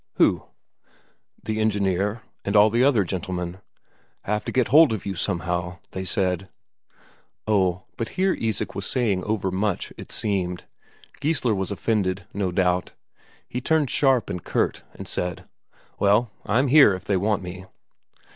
"Who?" "The engineer, and all the other gentlemen. 'Have to get hold of you somehow,' they said." Oh, but here Isak was saying overmuch, it seemed. Geissler was offended, no doubt; he turned sharp and curt, and said: "Well, I'm here, if they want me."